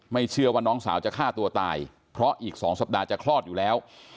เชื่อว่าน้องสาวจะฆ่าตัวตายเพราะอีก๒สัปดาห์จะคลอดอยู่แล้ว